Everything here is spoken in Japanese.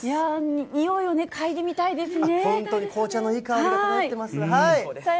匂いを嗅いでみたいですね。